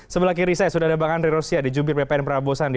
sebelah kiri saya sudah ada bang andri rusia di jumir bpn prabowo sandi